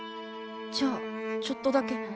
じゃあちょっとだけ。